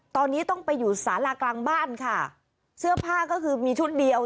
ตอนนี้ต้องไปอยู่สารากลางบ้านค่ะเสื้อผ้าก็คือมีชุดเดียว